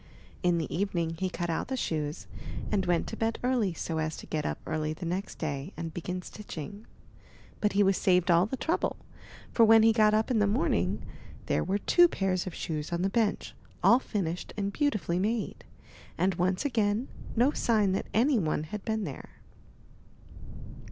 In the evening he cut out the shoes, and went to bed early so as to get up early the next day and begin stitching. But he was saved all the trouble, for when he got up in the morning, there were two pairs of shoes on the bench, all finished and beauti fully made, and once again no sign that any one^ had been there.